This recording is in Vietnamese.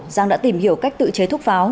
giang đã tìm hiểu cách tự chế thúc pháo